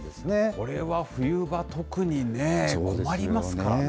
これは冬場、特に困りますからね。